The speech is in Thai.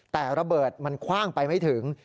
แต่ระเบิดมันคว่างไปไม่ถึง